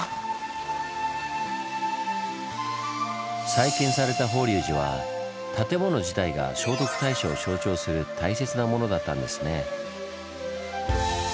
再建された法隆寺は建物自体が聖徳太子を象徴する大切なものだったんですね。